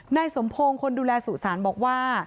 ในสมโพงคนดูแลสู่สารบอกว่า